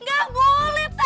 nggak boleh tau